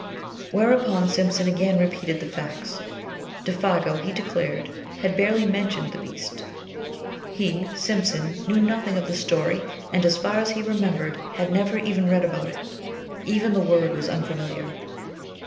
Whereupon Simpson again repeated the facts. Défago, he declared, had barely mentioned the beast. He, Simpson, knew nothing of the story, and, so far as he remembered, had never even read about it. Even the word was unfamiliar.